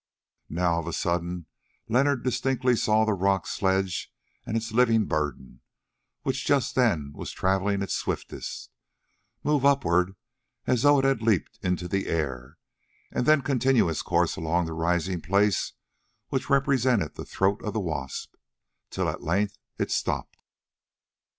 Now of a sudden Leonard distinctly saw the rock sledge and its living burden, which just then was travelling its swiftest, move upwards as though it had leaped into the air and then continue its course along the rising place which represented the throat of the wasp, till at length it stopped.